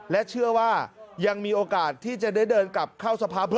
และเชื่อว่ายังมีโอกาสที่จะได้เดินกลับเข้าสภาพ